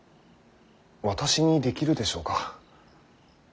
私にできるでしょうか。